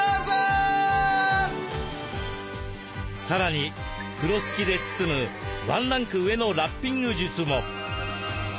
さらに風呂敷で包むワンランク上のラッピング術も。